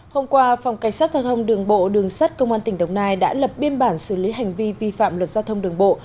hôm qua phòng cảnh sát giao thông đường bộ đường sát công an tỉnh đồng nai đã lập biên bản xử lý hành vi vi phạm luật giao thông đường bộ